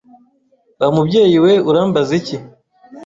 Wa mubyeyi we urambaza iki